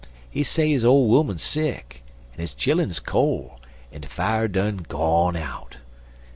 He say his ole 'oman sick, en his chilluns col', en de fier done gone out.